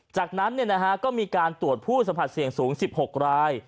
จากนั้นก็มีการตรวจผู้สัมผัสเสี่ยงสูง๑๖ราย